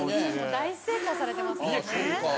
大成功されてますもんね。